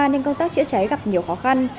nên công tác chữa cháy gặp nhiều khó khăn